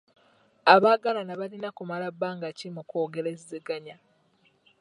Abagalana balina kumala bbanga ki mu kwogerezeganya?